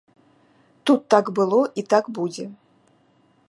Тут так было, і так будзе.